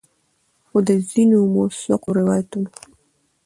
خو د ځینو مؤثقو روایتونو